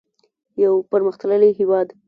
یو پرمختللی هیواد.